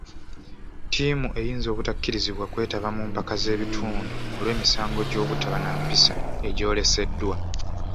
Ttiimu eyinza obutakkirizibwa kwetaba mu mpaka z'ebitundu olw'emisango gy'obutaba na mpisa egyoleseddwa.